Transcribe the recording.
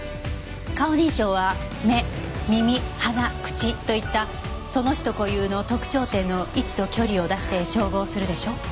顔認証は目耳鼻口といったその人固有の特徴点の位置と距離を出して照合するでしょ？